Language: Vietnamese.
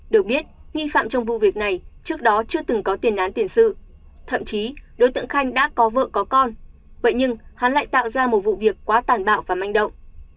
được biết nghi phạm trong vụ việc này trước đó chưa từng có tiền án tiền sự thậm chí đối tượng khanh đã có vợ có con vậy nhưng hắn lại tạo ra một vụ việc quá tàn bạo và manh động